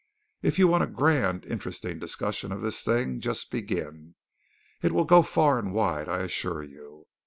If you want a grand, interesting discussion of this thing, just begin. It will go far and wide, I assure you.